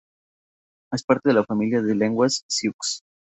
Es parte de la familia de lenguas siux.